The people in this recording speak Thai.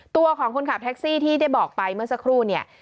ตัวของคนขับแท็กซี่ที่ได้บอกไปเมื่อสักครู่เนี่ย